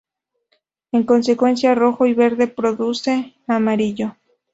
En consecuencia, rojo y verde produce amarillo.